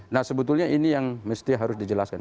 nah sebetulnya ini yang mesti harus dijelaskan